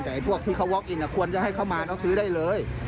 แต่พวกที่เขาหักก็ควรจะให้เขามาซื้อได้เลย